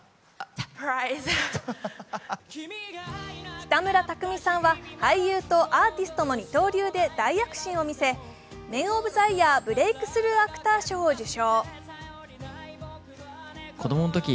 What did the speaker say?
北村匠海さんは俳優とアーティストの二刀流で大躍進を見せメン・オブ・ザ・イヤー・ブレイクスルー・アクター賞を受賞